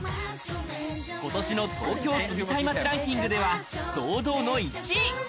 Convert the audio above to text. ことしの東京、住みたい街ランキングでは堂々の１位。